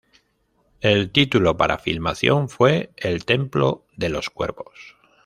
El título para filmación fue "El templo de los cuervos".